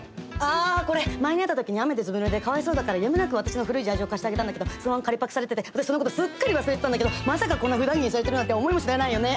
あこれ前に会った時に雨でずぶぬれでかわいそうだからやむなく私の古いジャージを貸してあげたんだけどそのまま借りパクされてて私そのことすっかり忘れてたんだけどまさかこんなふだん着にされてるなんて思いもしないよね。